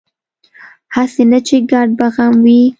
هسې نه چې ګډ په غم وي